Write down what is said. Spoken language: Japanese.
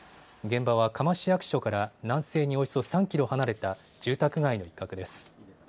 現場は嘉麻市役所から南西におよそ３キロ離れた住宅街の一角です。